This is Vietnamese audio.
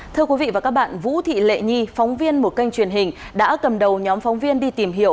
thưa quý vị và các bạn vũ thị lệ nhi phóng viên một kênh truyền hình đã cầm đầu nhóm phóng viên đi tìm hiểu